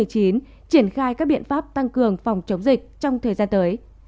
triển khai các biện pháp tăng cường phòng chống dịch trong thời gian tới